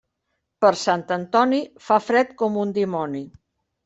Per Sant Antoni, fa fred com un dimoni.